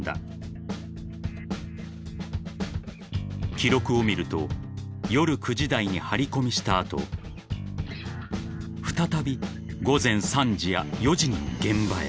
［記録を見ると夜９時台に張り込みした後再び午前３時や４時にも現場へ］